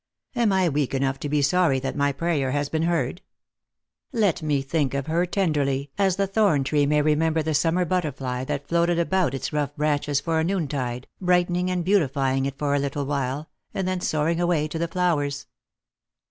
" Am I weak enough to be sorry that my prayer has been heard ? Let me think of her tenderly, as the thorn tree may remember the summer but terfly that floated about its rough branches for a noontide, brightening and beautifying it for a little while, and then soar ing away to the flowers."